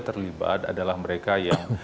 terlibat adalah mereka yang